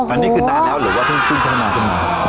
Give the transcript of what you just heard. อันนี้คือนานแล้วหรือว่าเพิ่งพึ่งคุณธนาทีนี้